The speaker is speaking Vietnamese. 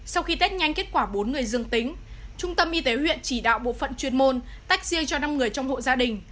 sau khi test nhanh kết quả bốn người dương tính trung tâm y tế huyện chỉ đạo bộ phận chuyên môn tách riêng cho năm người trong hộ gia đình